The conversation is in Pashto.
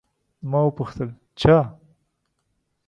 ما وپوښتل، چا؟